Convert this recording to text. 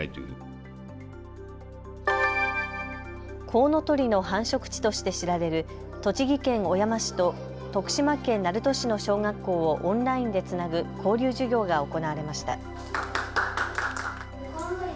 コウノトリの繁殖地として知られる栃木県小山市と徳島県鳴門市の小学校をオンラインでつなぐ交流授業が行われました。